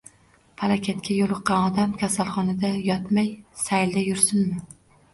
Palakatga yo‘liqqan odam kasalxonada yotmay, saylda yursinmi?